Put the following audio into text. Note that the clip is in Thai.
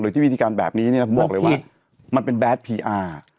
โดยที่วิธีการแบบนี้ผมบอกเลยว่ามันเป็นแบทพีอาร์